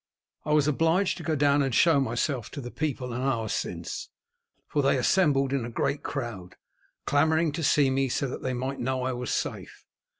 "I was obliged to go down and show myself to the people an hour since, for they assembled in a great crowd, clamouring to see me so that they might know I was safe.